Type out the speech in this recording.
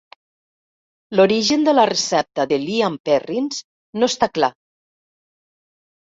L'origen de la recepta de "Lea and Perrins" no està clar.